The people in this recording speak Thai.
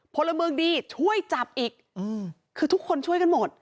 พลเมืองดีช่วยจับอีกคือทุกคนช่วยกันหมด